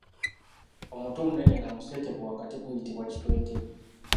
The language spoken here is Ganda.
Omutwe omunene nga museeteevu wakati guyitibwa kitwentebe.